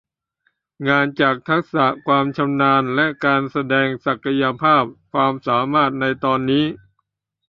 งานจากทักษะความชำนาญและการแสดงศักยภาพความสามารถในตอนนี้